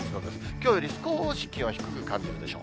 きょうより少し気温低く感じるでしょう。